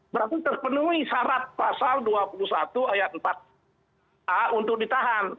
berarti terpenuhi syarat pasal dua puluh satu ayat empat a untuk ditahan